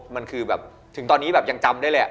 มันคือแบบถึงตอนนี้แบบยังจำได้เลย